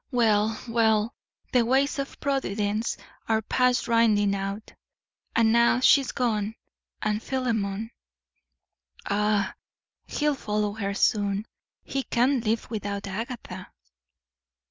Well, well, the ways of Providence are past rinding out! And now she is gone and Philemon " "Ah, he'll follow her soon; he can't live without Agatha."